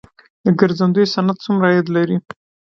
د ګرځندوی صنعت څومره عاید لري؟